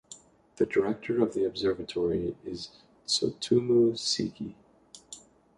The director of the observatory is Tsutomu Seki.